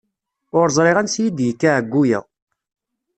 Ur ẓriɣ ansi i yi-d-yekka ɛeyyu-ya.